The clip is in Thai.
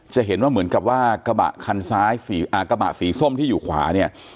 จะเห็นว่าเหมือนกับว่ากระบะสีส้มที่อยู่ขวา